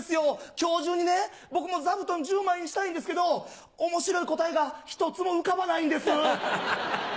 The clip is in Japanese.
今日中にね僕も座布団１０枚にしたいんですけど面白い答えが１つも浮かばないんです。